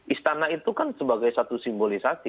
istana itu kan sebagai satu simbolisasi